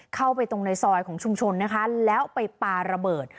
เข้าไปตรงในซอยของชุมชนนะคะแล้วไปปลาระเบิด